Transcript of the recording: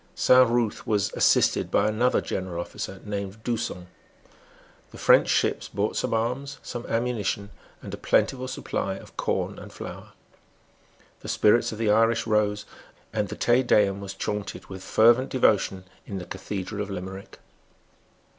Saint Ruth was assisted by another general officer named D'Usson. The French ships brought some arms, some ammunition, and a plentiful supply of corn and flour. The spirits of the Irish rose; and the Te Deum was chaunted with fervent devotion in the cathedral of Limerick.